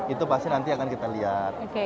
itu pasti nanti akan kita lihat